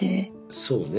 そうね。